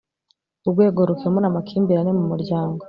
Urwego rukemura amakimbirane mu muryango